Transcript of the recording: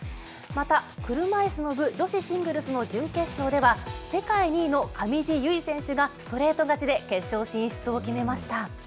また、車いすの部、女子シングルスの準決勝では、世界２位の上地結衣選手がストレート勝ちで決勝進出を決めました。